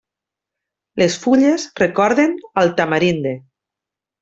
Les fulles recorden al tamarinde.